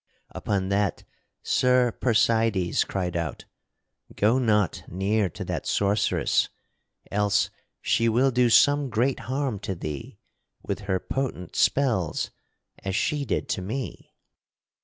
Upon that Sir Percydes cried out: "Go not near to that sorceress, else she will do some great harm to thee with her potent spells as she did to me."